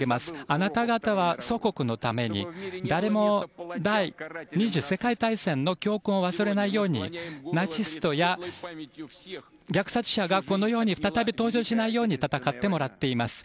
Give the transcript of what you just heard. あなた方は祖国のために誰も第２次世界大戦の教訓を忘れないようにナチスや虐殺者がこの世に再び登場しないように戦ってもらっています。